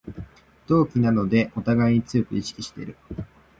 同期なのでおたがい強く意識してる